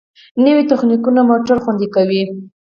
نوې تخنیکونه موټر خوندي کوي.